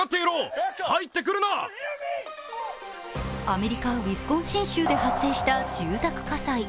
アメリカ・ウィスコンシン州で発生した住宅火災。